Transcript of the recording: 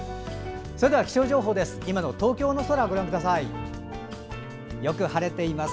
それでは気象情報です。